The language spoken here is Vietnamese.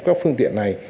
các phương tiện này